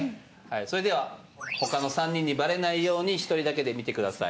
それでは他の３人にバレないように１人だけで見てください。